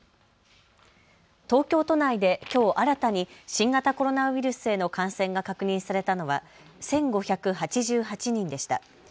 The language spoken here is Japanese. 東京都内できょう新たに新型コロナウイルスへの感染が確認されたのは１５８８人でした。